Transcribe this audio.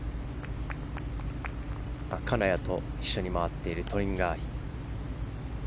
金谷と一緒に回っているトリンガーリ。